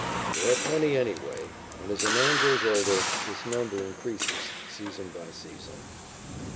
There are plenty anyway, and, as a man grows older, this number increases season by season.